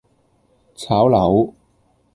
炒樓